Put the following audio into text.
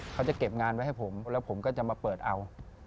เขาจะเก็บงานไว้ให้ผมแล้วผมก็จะมาเปิดเอา